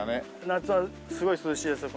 夏はすごい涼しいですよ